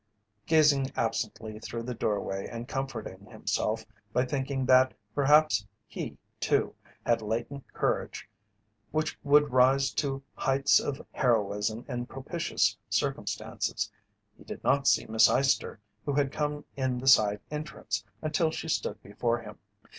Gazing absently through the doorway and comforting himself by thinking that perhaps he, too, had latent courage which would rise to heights of heroism in propitious circumstances, he did not see Miss Eyester, who had come in the side entrance, until she stood before him.